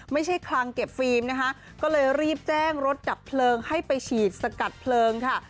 คลังเก็บฟิล์มนะคะก็เลยรีบแจ้งรถดับเพลิงให้ไปฉีดสกัดเพลิงค่ะ